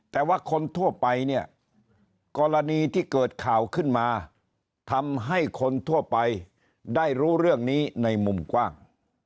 แต่ว่าคนทั่วไปเนี่ยกรณีที่เกิดข่าวขึ้นมาทำให้คนทั่วไปได้รู้เรื่องนี้ในมุมกว้าง